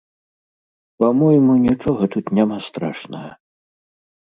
Па-мойму, нічога тут няма страшнага.